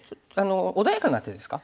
穏やかな手ですか？